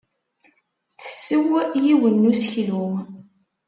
Tessew yiwen n useklu.